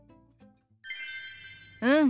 うん。